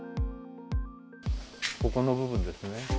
ここの部分ですね。